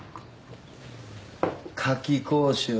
・夏期講習な。